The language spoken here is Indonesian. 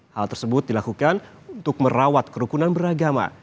hal tersebut dilakukan untuk merawat kerukunan beragama